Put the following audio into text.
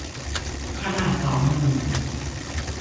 ขนาดสองหมื่น